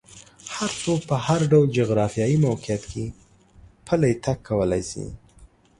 هر څوک په هر ډول جغرافیایي موقعیت کې پلی تګ کولی شي.